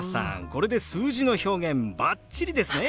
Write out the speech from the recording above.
これで数字の表現バッチリですね！